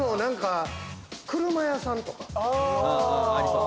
車屋さんとか。